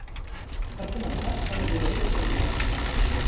Per començar, cada jugador tira un dau.